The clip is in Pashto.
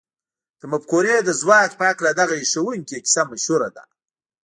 د مفکورې د ځواک په هکله دغه هيښوونکې کيسه مشهوره ده.